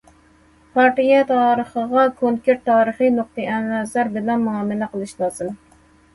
پارتىيە تارىخىغا كونكرېت تارىخىي نۇقتىئىنەزەر بىلەن مۇئامىلە قىلىش لازىم.